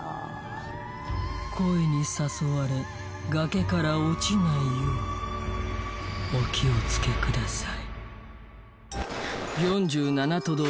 声に誘われ崖から落ちないようお気をつけください